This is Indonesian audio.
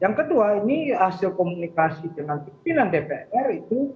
yang kedua ini hasil komunikasi dengan pimpinan dpr itu